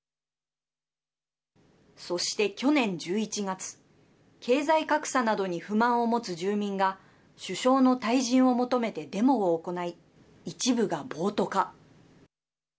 そして、去年１１月経済格差などに不満を持つ住民が首相の退陣を求めてデモを行い一部が暴徒化。